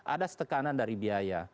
ada setekanan dari biaya